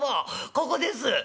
ここです」。